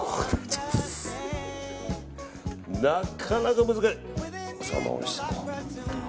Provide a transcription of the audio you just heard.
なかなか難しい。